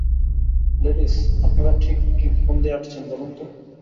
Ladies, আপনারা ঠিক কী ফন্দী আটছেন বলুন তো?